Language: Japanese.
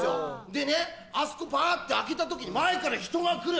でねあそこバっと開けた時に前から人が来る。